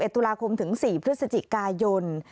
ตุลาคมถึง๔พฤศจิกายน